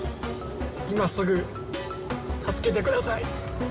今すぐ助けて下さい。